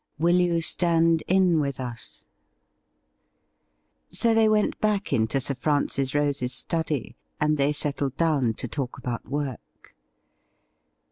'will YO0 STAND IN WITH US i" So they went back into Sir Francis Rose's study, and they settled down to talk about work.